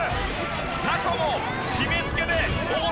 タコも締めつけで応戦！